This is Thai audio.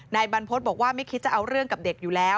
นายบรรพฤษบอกว่าไม่คิดจะเอาเรื่องกับเด็กอยู่แล้ว